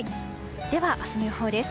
では、明日の予報です。